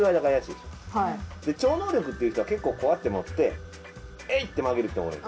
超能力っていう人は結構こうやって持ってえい！って曲げる人多い。